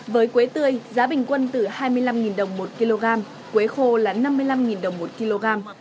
với quế tươi giá bình quân từ hai mươi năm đồng một kg quế khô là năm mươi năm đồng một kg